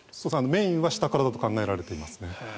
メインは下からだと考えられていますね。